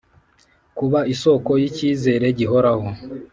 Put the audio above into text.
kuba isoko yicyizere gihoraho